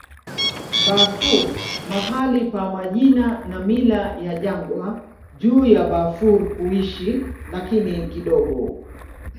Bafur mahali pa majina na mila ya jangwa juu ya Bafur kuishi, lakini kidogo.